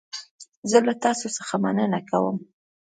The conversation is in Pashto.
زه له تاسو څخه مننه کوم.